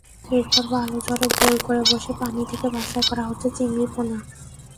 এরপর বালুচরে গোল করে বসে পানি থেকে বাছাই করা হচ্ছে চিংড়ি পোনা।